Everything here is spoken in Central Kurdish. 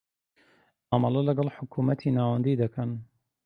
مامەڵە لەکەڵ حکومەتی ناوەندی دەکەن.